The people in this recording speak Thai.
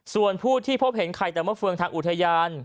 ส่วนผู้ที่พบเห็นไข่แต่เมื่อเฟืองทางอุทยาน